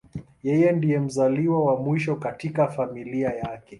Yeye ndiye mzaliwa wa mwisho katika familia yake.